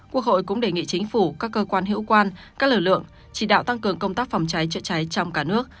quốc hội cũng đề nghị chính phủ các cơ quan hữu quan các lực lượng chỉ đạo tăng cường công tác phòng cháy chữa cháy trong cả nước